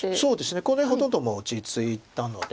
この辺ほとんどもう落ち着いたので戦いは。